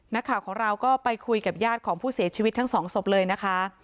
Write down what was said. นักข่าวของเราก็ไปคุยกับญาติของผู้เสียชีวิตทั้งสองศพเลยนะคะ